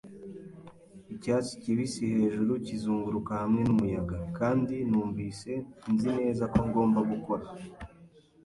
icyatsi kibisi-hejuru kizunguruka hamwe mumuyaga, kandi numvise nzi neza ko ngomba gukora